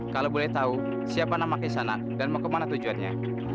kalau boleh tahu siapa nama kisanak dan mau ke mana tujuannya